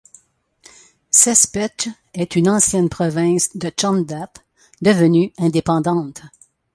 Sespech est une ancienne province de Chondath, devenue indépendante.